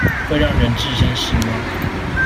會讓人置身事外